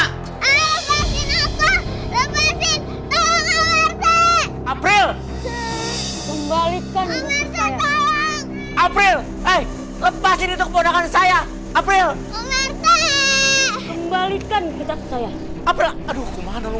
hai lepasin aku lepasin tolong apel kembalikan apel lepasin kebonakan saya apel kembalikan